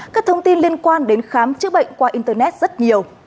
các thông tin liên quan đến khám chữa bệnh qua internet rất nhiều